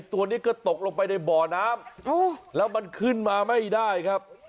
ตัวนี้ก็ตกลงไปในบ่อน้ำแล้วมันขึ้นมาไม่ได้ครับ